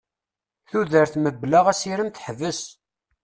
Tudert mebla asirem teḥbes.